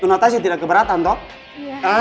ternyata sih tidak keberatan toh